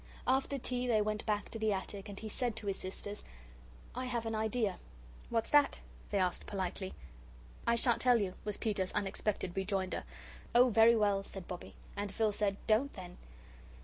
After tea they went back to the attic and he said to his sisters: "I have an idea." "What's that?" they asked politely. "I shan't tell you," was Peter's unexpected rejoinder. "Oh, very well," said Bobbie; and Phil said, "Don't, then."